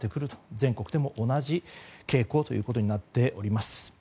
全国でも同じ傾向となっております。